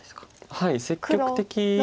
はい積極的な。